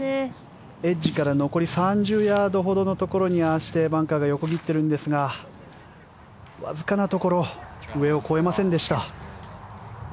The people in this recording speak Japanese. エッジから残り３０ヤードほどのところにああしてバンカーが横切っているんですがわずかなところ上を越えませんでした。